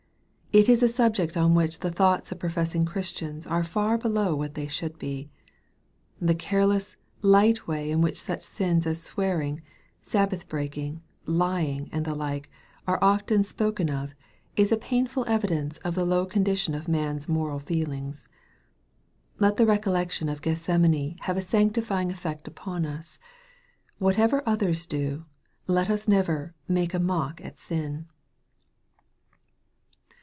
It is a subject on which the thoughts of professing Christians are far below what they should be. The careless, light way in which such sins as swearing, Sabbath breaking, lying, and the like, are often spoken of, is a painful evidence of the low con dition of men's moral feelings. Let the recollection of Gethsemane have a sanctifying effect upon us. What ever others do, let us never " make a mock at sin."